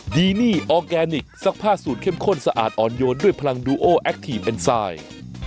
ดีนี่ออร์แกนิคซักผ้าสูตรเข้มข้นสะอาดอ่อนโยนด้วยพลังดูโอแอคทีฟเอ็นไซด์